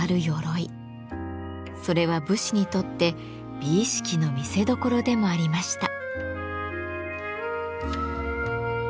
それは武士にとって美意識の見せどころでもありました。